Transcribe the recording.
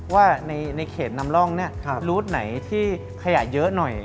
ว่าในเขตนำร่องรูดไหนที่ขยะเยอะหน่อย